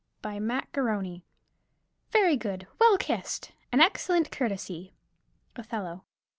BY MAC A'RONY. Very good; well kissed! an excellent courtesy. _Othello.